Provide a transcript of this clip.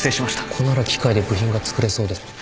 ここなら機械で部品が作れそう